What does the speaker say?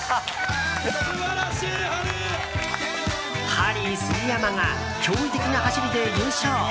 ハリー杉山が驚異的な走りで優勝！